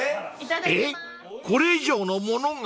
［えっこれ以上の物が？］